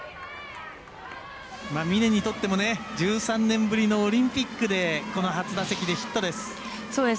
峰にとっても１３年ぶりのオリンピックでこの初打席でヒットです。